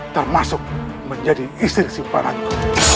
termasuk menjadi istri simpananku